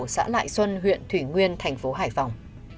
xã lại xuân huyện thủy nguyên thành phố hải phòng